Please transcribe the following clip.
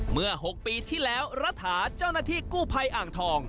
เมื่อ๖ปีที่แล้วรัฐาเจ้าหน้าที่กู้ภัยอ่างทอง